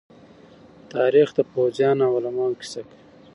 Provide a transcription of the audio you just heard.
تاریخ د پوځيانو او علماءو کيسه کوي.